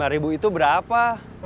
lima ribu itu berapa